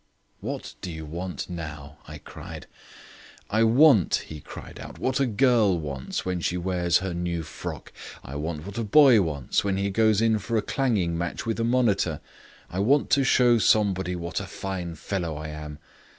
"What do you want now?" I cried. "I want," he cried out, "what a girl wants when she wears her new frock; I want what a boy wants when he goes in for a clanging match with a monitor I want to show somebody what a fine fellow I am.